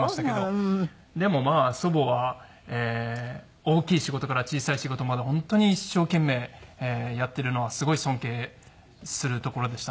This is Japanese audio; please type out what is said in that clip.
でもまあ祖母は大きい仕事から小さい仕事まで本当に一生懸命やっているのはすごい尊敬するところでしたね。